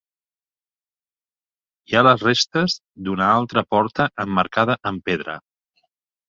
Hi ha les restes d'una altra porta emmarcada amb pedra.